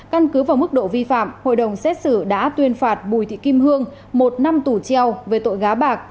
căn cứ vào mức độ vi phạm hội đồng xét xử đã tuyên phạt bùi thị kim hương một năm tù treo về tội gá bạc